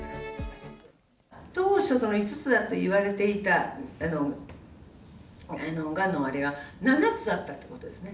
当初５つだと言われていたがんのあれが、７つだったということですね。